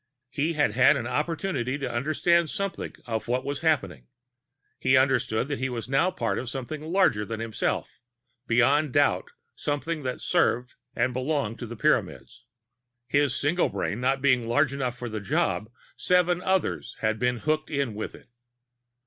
He had had an opportunity to understand something of what was happening. He understood that he was now a part of something larger than himself, beyond doubt something which served and belonged to the Pyramids. His single brain not being large enough for the job, seven others had been hooked in with it.